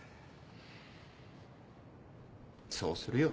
そうするよ。